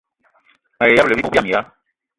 Mayi ṅyëbëla bibug biama ya